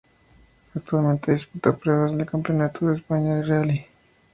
Actualmente disputa pruebas del Campeonato de España de Rally.